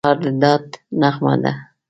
سهار د ډاډ نغمه ده.